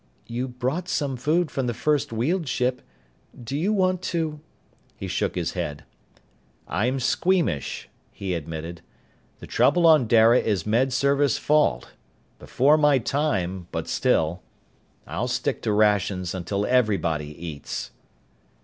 "You brought some food from the first Weald ship. Do you want to " He shook his head. "I'm squeamish," he admitted. "The trouble on Dara is Med Service fault. Before my time, but still ... I'll stick to rations until everybody eats."